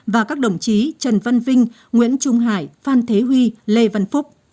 và các đồng chí trần văn vinh nguyễn trung hải phan thế huy lê văn phúc